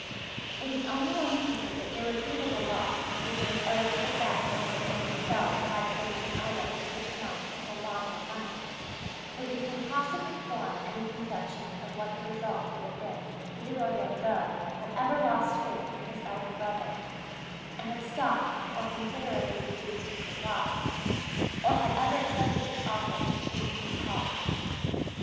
It is only when we think of the irretrievable loss which we owe to the fact that Monet himself had to remain idle for six months for want of money, that we can possibly form any conception of what the result would have been if Theodor Van Gogh had ever lost faith in his elder brother, and had stopped or considerably reduced his supplies, or had ever accepted his offer to change his calling (see page 129).